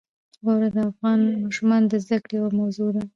واوره د افغان ماشومانو د زده کړې یوه موضوع ده.